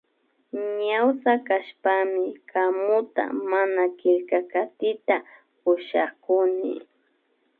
Ñawsa kashpami kamuta mana killkakatita ushakuni